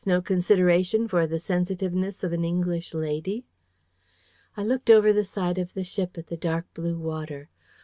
no consideration for the sensitiveness of an English lady? I looked over the side of the ship at the dark blue water.